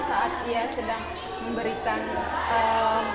saat ia sedang memberikan